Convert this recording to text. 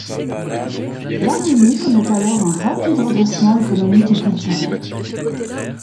L'Arménie connaît alors un rapide redressement économique et culturel.